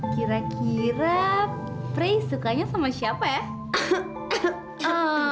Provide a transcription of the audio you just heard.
kira kira pres sukanya sama siapa ya